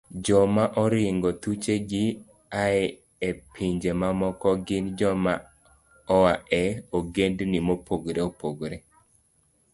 Joma oringo thuchegi a e pinje mamoko gin joma oa e ogendni mopogore opogore